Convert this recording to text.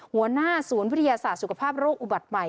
หัวหน้าศูนย์วิทยาศาสตร์สุขภาพโรคอุบัติใหม่